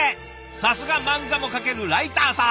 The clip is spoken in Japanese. さすがマンガも描けるライターさん。